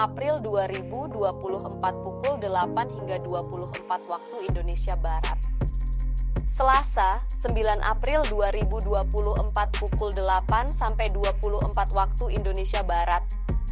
pukul delapan sampai dua puluh empat waktu indonesia barat